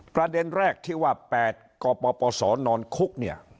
ประเด็นแรกที่ว่า๘กปศนอนคุกเนี่ย